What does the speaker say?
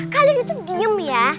kalian itu diem ya